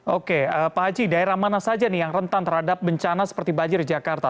oke pak aji daerah mana saja yang rentan terhadap bencana seperti bajir jakarta